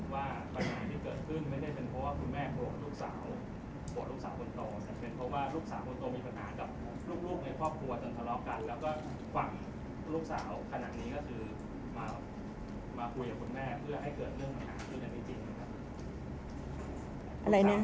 เพื่อให้เกิดเรื่องปัญหาอยู่ในนี้จริงนะครับ